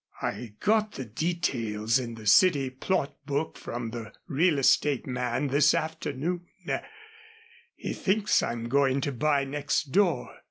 "I got the details in the city plot book from a real estate man this afternoon. He thinks I'm going to buy next door.